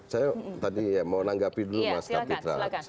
saya tadi mau menanggapi dulu mas kapitra